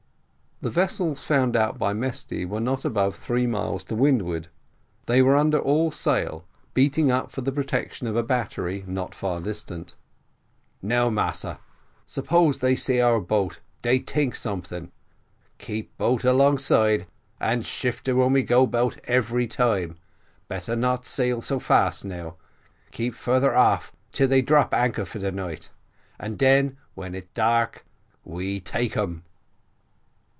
The vessels found out by Mesty were not above three miles to windward; they were under all sail, beating up for the protection of a battery not far distant. "Now, Massa, suppose dey see our boat, dey tink something; keep boat alongside, and shift her when we go 'bout every time: better not sail so fast now keep further off till they drop anchor for de night; and den, when it dark, we take 'em."